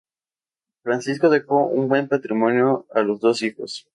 Francisco dejó un buen patrimonio a los dos hijos.